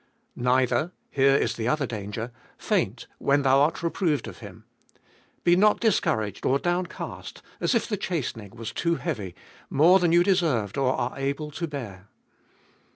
Neither, here is the other danger — faint when thou art reproved of Him. Be not discouraged or downcast as if the Cbe ibolicst or ail 487 chastening was too heavy, more than you deserved or are able to bear.